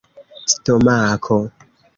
stomako